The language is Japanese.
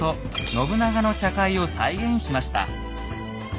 信長の茶会を再現しました。